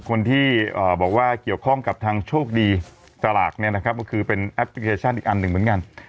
คนที่บอกว่าเกี่ยวข้องกับทางโชคดีสลากเนี่ยนะครับก็คือเป็นแอปพลิเคชันอีกอันหนึ่งเหมือนกัน